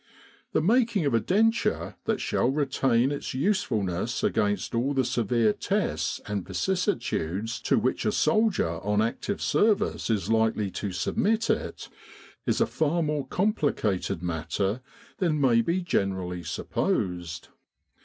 The making of a denture that shall retain its useful ness against all the severe tests and vicissitudes to which a soldier on Active Service is likely to submit it, is a far more complicated matter than may be generally supposed.